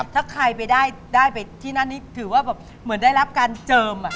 ถ้าใครได้ไปที่นั้นนี่แบบได้รับการเจิม